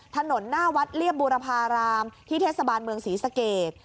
ถนนหน้าวัดเรียบบูรพารามที่เทศบาลเมืองศรีสเกต